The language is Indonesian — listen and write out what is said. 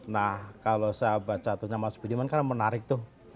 nah kalau saya baca tuh mas budiman kan menarik tuh